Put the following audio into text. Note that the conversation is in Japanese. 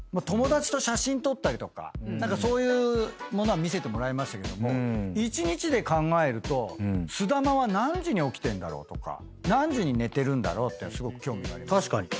友達と写真撮ったりとか何かそういうものは見せてもらいましたけども一日で考えるとすだまは何時に起きてんだろう？とか何時に寝てるんだろう？って。